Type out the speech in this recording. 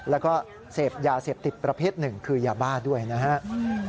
แล้วก็เสพยาเสพติดประเภทหนึ่งคือยาบ้าด้วยนะครับ